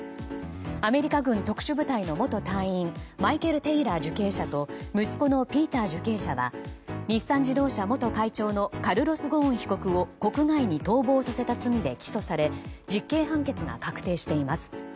アメリカ軍特殊部隊の元隊員マイケル・テイラー受刑者と息子のピーター受刑者は日産自動車元会長のカルロス・ゴーン被告を国外に逃亡させた罪で起訴され実刑判決が確定しています。